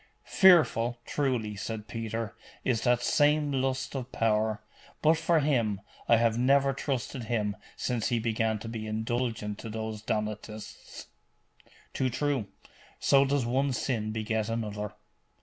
'Fearful, truly,' said Peter, 'is that same lust of power: but for him, I have never trusted him since he began to be indulgent to those Donatists.' 'Too true. So does one sin beget another.